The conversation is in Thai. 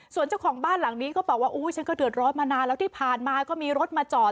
ส่วนเจ้าของบ้านหลังนี้ก็บอกว่าอุ้ยฉันก็เดือดร้อนมานานแล้วที่ผ่านมาก็มีรถมาจอด